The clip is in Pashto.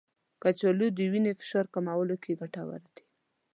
کچالو د وینې فشار کمولو کې ګټور دی.